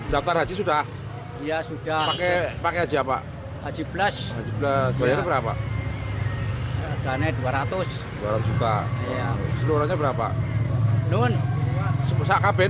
duit nabung pak haji